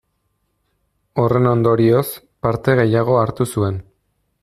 Horren ondorioz, parte gehiago hartu zuen.